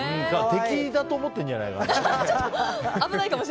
敵だと思ってるんじゃないかな。